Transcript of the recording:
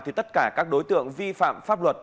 thì tất cả các đối tượng vi phạm pháp luật